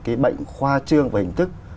cái bệnh khoa trương và hình thức